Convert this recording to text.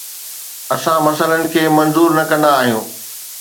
اسان مسئلن کي منظور نه ڪندا آهيون